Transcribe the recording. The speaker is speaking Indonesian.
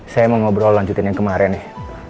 saya mau ngobrol lanjutin yang kemarin nih